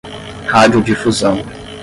radiodifusão